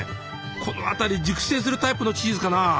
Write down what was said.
この辺り熟成するタイプのチーズかな？